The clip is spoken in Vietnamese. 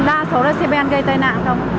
đa số là xe bên gây tai nạn không